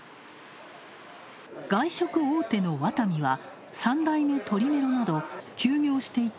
外食大手のワタミは、三代目鳥メロなど休業していた